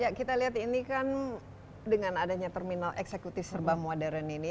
ya kita lihat ini kan dengan adanya terminal eksekutif serba modern ini